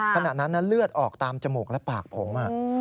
ขณะนั้นเลือดออกตามจมูกและปากผม